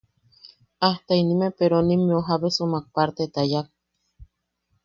Ajta inime peronimmeu jabesumak parteta yaak.